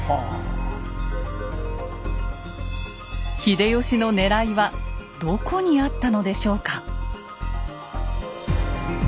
秀吉のねらいはどこにあったのでしょうか。